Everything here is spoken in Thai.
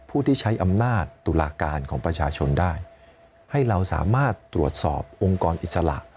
ผู้ที่ใช้อำนาจตุลาการของประชาชนได้ให้เราสามารถตรวจสอบองค์กรอิสระ